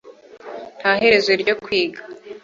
Nta herezo ryo kwiga